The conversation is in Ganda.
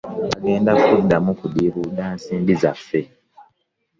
Bagenda kuddamu kudiibuuda nsimbi zaffe.